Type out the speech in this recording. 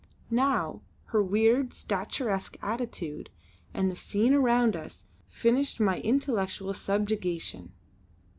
Now, her weird, statuesque attitude and the scene around us finished my intellectual subjugation.